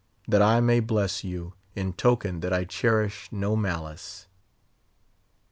that I may bless you, in token that I cherish no malice!"